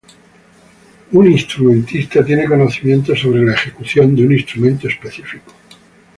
Un instrumentista tiene conocimientos sobre la ejecución de un instrumento específico.